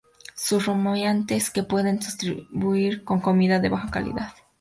Son rumiantes que pueden subsistir con comida de baja calidad.